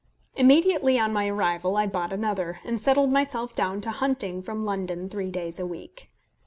Immediately on my arrival I bought another, and settled myself down to hunting from London three days a week.